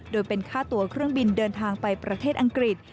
โดยเป็นค่าตัวเครื่องบินเดินทางไปประเทศอังกฤษ